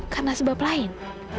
karena sebab lain